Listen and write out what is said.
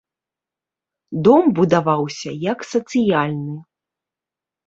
Дом будаваўся як сацыяльны.